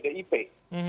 dan hanya itu saja